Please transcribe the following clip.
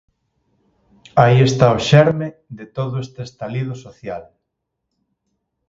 Aí está o xerme de todo este estalido social.